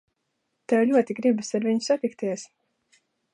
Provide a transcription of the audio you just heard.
Tev ļoti gribas ar viņu satikties.